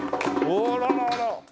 あららら。